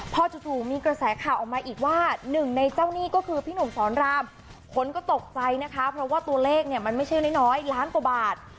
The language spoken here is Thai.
พอจู่มีกระแสข่าวออกมาอีกว่าหนึ่งในเจ้าหนี้ก็คือพี่หนุ่มสอนรามคนก็ตกใจนะคะเพราะว่าตัวเลขเนี่ยมันไม่ใช่น้อยล้านกว่าบาท